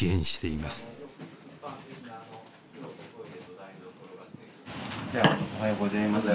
おはようございます。